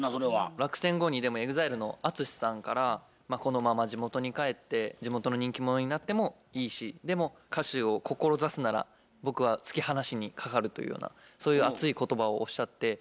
落選後にでもＥＸＩＬＥのＡＴＳＵＳＨＩさんからこのまま地元に帰って地元の人気者になってもいいしでも歌手を志すなら僕は突き放しにかかるというようなそういう熱い言葉をおっしゃって。